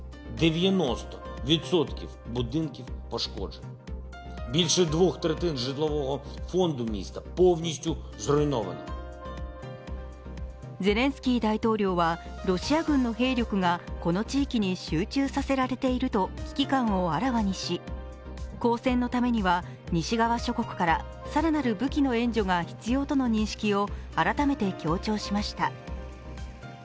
背ゼレンスキー大統領はロシア軍の兵力がこの地域に集中させられていると危機感をあらわにし、抗戦のためには西側諸国からさらなる武器の調達が必要との認識を改めて強調しました。